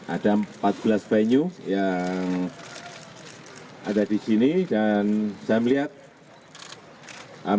ada empat belas venue yang ada di sini dan saya melihat